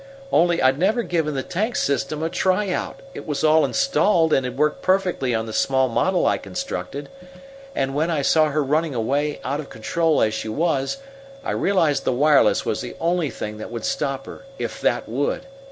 "Only I'd never given the tank system a tryout. It was all installed, and had worked perfectly on the small model I constructed. And when I saw her running away, out of control as she was, I realized the wireless was the only thing that would stop her, if that would.